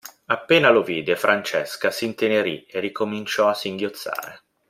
Appena lo vide, Francesca s'intenerì e ricominciò a singhiozzare.